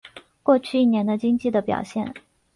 过去一年经济的表现